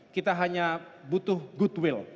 kita hanya butuh goodwill